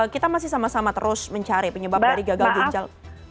kita masih sama sama terus mencari penyebab dari gagal ginjal